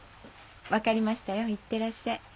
分かりましたよいってらっしゃい。